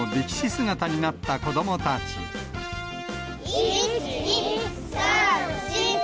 １、２、３、４。